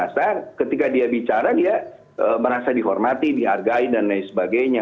karena ketika dia bicara dia merasa dihormati dihargai dan lain sebagainya